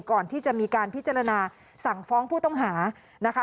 ก่อนที่จะมีการพิจารณาสั่งฟ้องผู้ต้องหานะคะ